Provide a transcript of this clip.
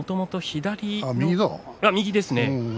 右ですね。